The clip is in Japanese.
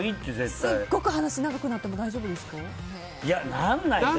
すごく話が長くなっても大丈夫ですか？